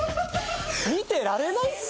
見てられないって。